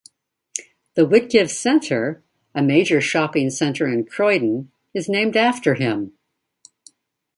The Whitgift Centre, a major shopping centre in Croydon, is named after him.